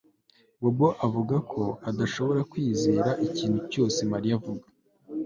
Bobo avuga ko adashobora kwizera ikintu cyose Mariya avuga